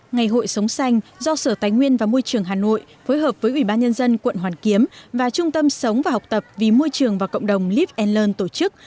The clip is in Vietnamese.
ngày hội sống xanh do sở tài nguyên và môi trường hà nội phối hợp với ủy ban nhân dân quận hoàn kiếm và trung tâm sống và học tập vì môi trường và cộng đồng lipelland tổ chức